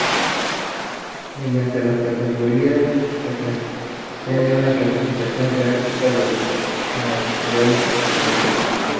Mediante las categorías, se pretende una clasificación jerárquica de las entidades del mundo.